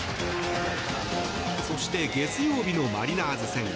そして月曜日のマリナーズ戦。